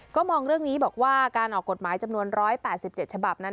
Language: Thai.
ก็มองเรื่องนี้บอกว่าการออกกฎหมายจำนวน๑๘๗ฉบับนั้น